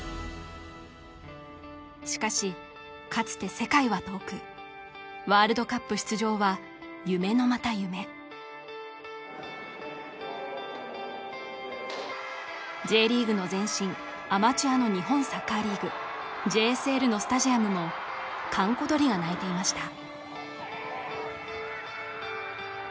しかしかつて世界は遠くワールドカップ出場は夢のまた夢Ｊリーグの前身アマチュアの日本サッカーリーグＪＳＬのスタジアムも閑古鳥が鳴いていました